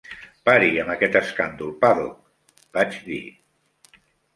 "Pari amb aquest escàndol, Paddock", vaig dir.